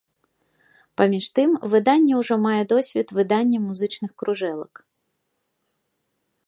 Паміж тым выданне ўжо мае досвед выдання музычных кружэлак.